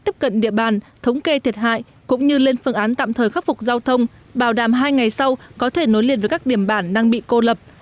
tiếp cận địa bàn thống kê thiệt hại cũng như lên phương án tạm thời khắc phục giao thông bảo đảm hai ngày sau có thể nối liền với các điểm bản đang bị cô lập